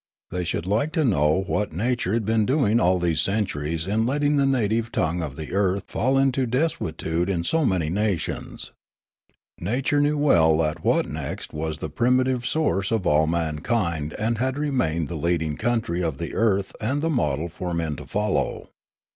They should like to know what Na ture had been doing all these centuries in letting the native tongue of the earth fall into desuetude in so many nations. Nature knew well that Wotnekst was the primitive source of all mankind and had remained the leading country of the earth and the model for men to follow.